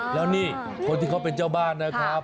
แล้วนี่คนที่เขาเป็นเจ้าบ้านนะครับ